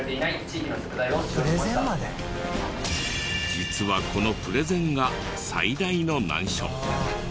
実はこのプレゼンが最大の難所。